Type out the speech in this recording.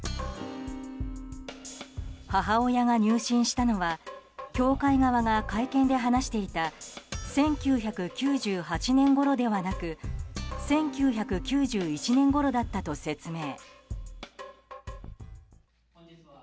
母親が入信したのは教会が会見で話していた１９９８年ごろではなく１９９１年ごろだったと説明。